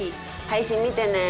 配信見てね。